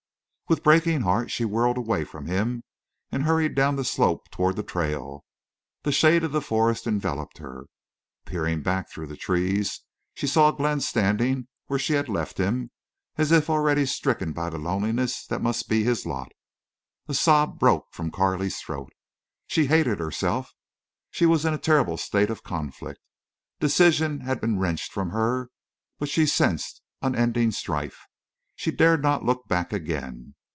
With breaking heart she whirled away from him and hurried down the slope toward the trail. The shade of the forest enveloped her. Peering back through the trees, she saw Glenn standing where she had left him, as if already stricken by the loneliness that must be his lot. A sob broke from Carley's throat. She hated herself. She was in a terrible state of conflict. Decision had been wrenched from her, but she sensed unending strife. She dared not look back again.